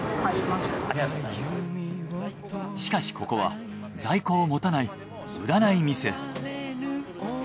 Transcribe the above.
しかしここは在庫を持たない売らない店。